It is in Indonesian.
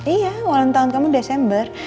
iya ulang tahun kamu desember